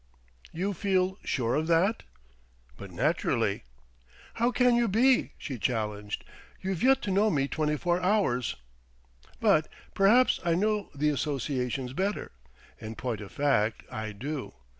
"You feel sure of that?" "But naturally." "How can you be?" she challenged. "You've yet to know me twenty four hours." "But perhaps I know the associations better. In point of fact, I do.